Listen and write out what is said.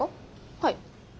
はい。